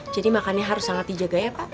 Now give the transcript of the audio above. jadi makannya harus sangat dijaga ya pak